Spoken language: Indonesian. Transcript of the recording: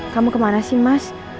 kamu kemana sih mas